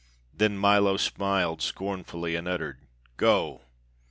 Then Milo smiled scornfully, and uttered: "Go!"